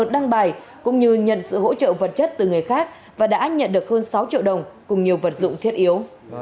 đăng bài cũng như nhận sự hỗ trợ vật chất từ người khác và đã nhận được hơn sáu triệu đồng cùng nhiều vật dụng thiết yếu